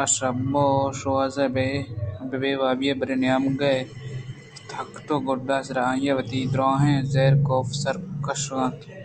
آشپ ءَ شوازر پہ بے وابی ءَ برے نیمگے تتکءُ گُڈ سرا آئی ءَوتی دُرٛاہیں زہر کاف ءِ سرا کشّ اِت اَنت